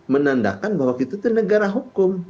menandakan bahwa kita itu negara hukum